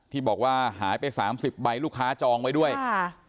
ที่บอกว่าหายไปสามสิบใบลูกค้าจองไว้ด้วยค่ะ